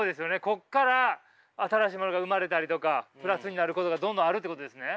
ここから新しいものが生まれたりとかプラスになることがどんどんあるってことですね？